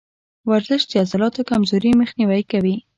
ورزش د عضلاتو کمزوري مخنیوی کوي.